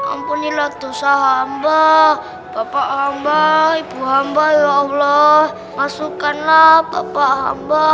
ampunilah dosa hamba bapak hamba ibu hamba ya allah masukkanlah bapak hamba